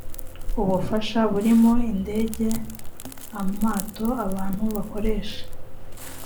ubufasha burimo indege amato abantu bakoresha